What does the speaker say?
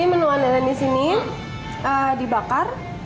iya ini menu anelen di sini dibakar